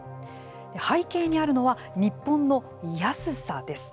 背景にあるのは日本の安さです。